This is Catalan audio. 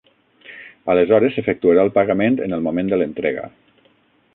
Aleshores s'efectuarà el pagament en el moment de l'entrega.